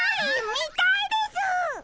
みたいです！